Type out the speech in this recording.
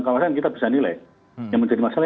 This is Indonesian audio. kawasan kita bisa nilai yang menjadi masalah